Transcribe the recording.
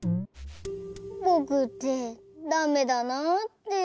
ぼくってダメだなあって。